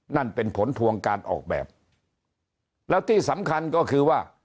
นั่นเป็นผลพวงการออกแบบแล้วที่สำคัญก็คือว่า